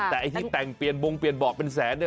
แต่ไอ้ที่แต่งเปลี่ยนบงเปลี่ยนบอกเป็นแสนเนี่ย